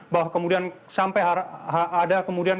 bahwa kemudian sampai ada kemudian